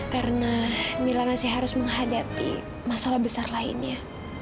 karena mila masih harus menghadapi masalah besar lainnya